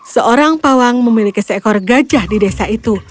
seorang pawang memiliki seekor gajah di desa itu